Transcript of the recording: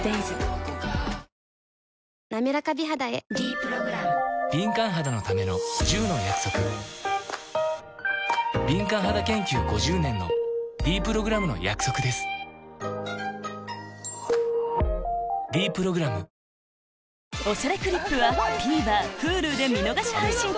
なめらか美肌へ「ｄプログラム」敏感肌研究５０年のｄプログラムの約束です「ｄプログラム」『おしゃれクリップ』はＴＶｅｒＨｕｌｕで見逃し配信中